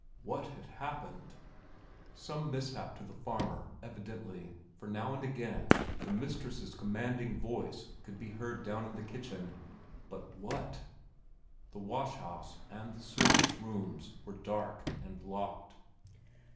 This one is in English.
What had happened? Some mishap to the farmer, evidently, for now and again the mistress's commanding voice could be heard down in the kitchen—but what? The wash house and the servants' room were dark and locked.